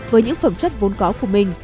với những phẩm chất vốn có của mình